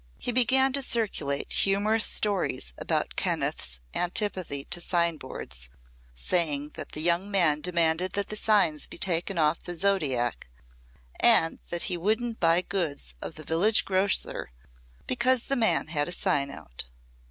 He began to circulate humorous stories about Kenneth's antipathy to sign boards, saying that the young man demanded that the signs be taken off the Zodiac, and that he wouldn't buy goods of the village grocer because the man had a sign out.